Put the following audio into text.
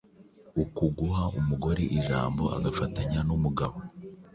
Uku guha umugore ijambo agafatanya n’umugabo